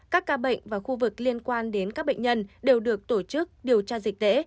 các ca bệnh và khu vực liên quan đến các bệnh nhân đều được tổ chức điều tra dịch tễ